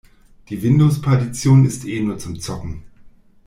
Die Windows-Partition ist eh nur zum Zocken.